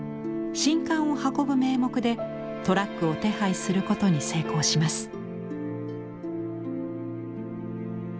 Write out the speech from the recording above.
「宸翰」を運ぶ名目でトラックを手配することに成功します。